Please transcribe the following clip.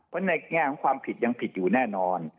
เพราะในแง่ของความผิดยังผิดอยู่แน่นอน